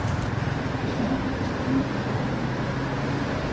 E xa na compensación, outro penalti.